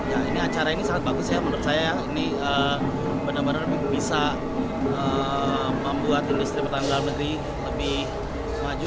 ya ini acara ini sangat bagus ya menurut saya ini benar benar bisa membuat industri pertahanan dalam negeri lebih maju